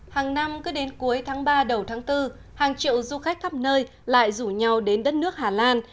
hàng năm cứ đến cuối tháng ba đầu tháng bốn hàng triệu du khách khắp nơi lại rủ nhau đến đất nước hà lan